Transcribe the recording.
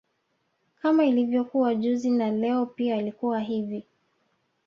Kama ilivokuwa juzi na Leo pia alikuwa hivi